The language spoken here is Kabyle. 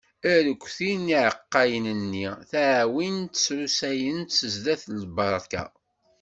Arekti n yiεeqqayen-nni, ttawint-t srusayent-t sdat n lberka.